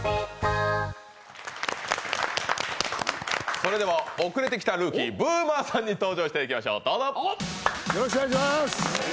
それでは遅れてきたルーキーＢＯＯＭＥＲさんに登場していただきましょう。